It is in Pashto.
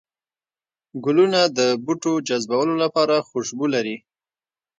گلونه د بوټو جذبولو لپاره خوشبو لري